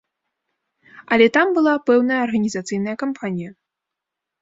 Але там была пэўная арганізацыйная кампанія.